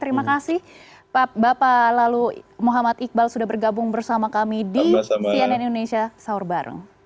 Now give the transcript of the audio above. terima kasih bapak lalu muhammad iqbal sudah bergabung bersama kami di cnn indonesia sahur bareng